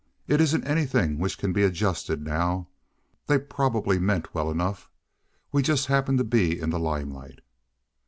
"It isn't anything which can be adjusted now. They probably meant well enough. We just happen to be in the limelight."